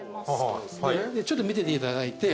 ちょっと見てていただいて。